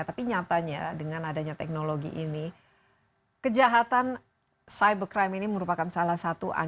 tapi nyatanya dengan adanya teknologi ini kejahatan cybercrime ini merupakan salah satu ancaman